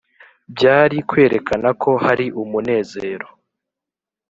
byari kwerekana ko hari umunezero.